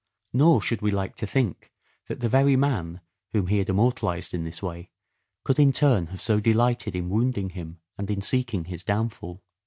Nor should we like to think that the very man, whom he had immortalized in this way, could in turn have so delighted in wounding him and in seeking his downfall.